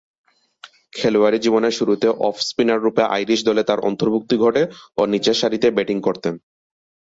খেলোয়াড়ী জীবনের শুরুতে অফ-স্পিনাররূপে আইরিশ দলে তার অন্তর্ভূক্তি ঘটে ও নিচের সারিতে ব্যাটিং করতেন।